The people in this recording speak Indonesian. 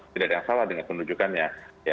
tidak ada yang salah dengan penunjukannya